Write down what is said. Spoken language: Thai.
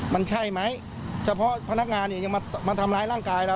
มันใช่ไหมเฉพาะพนักงานเนี่ยยังมาทำร้ายร่างกายเรา